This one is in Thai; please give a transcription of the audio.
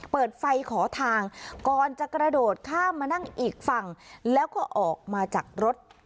เปิดไฟขอทางก่อนจะกระโดดข้ามมานั่งอีกฝั่งแล้วก็ออกมาจากรถ